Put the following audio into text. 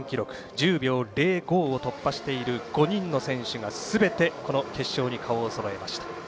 １０秒０５を突破している５人の選手がすべてこの決勝に顔をそろえました。